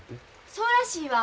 そうらしいわ。